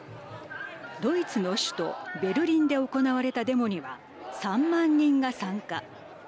ドイツの首都ベルリンで行われたデモには３万人が参加。